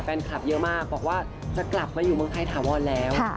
แฟนคลับเยอะมากบอกว่าจะกลับมาอยู่เมืองไทยถาวรแล้ว